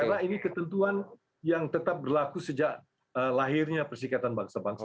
karena ini ketentuan yang tetap berlaku sejak lahirnya persyikatan bangsa bangsa itu